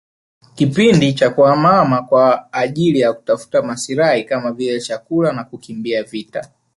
kipindi cha kuhamahama kwa ajili ya kutafuta maslahi kama vile chakula na kukimbia vita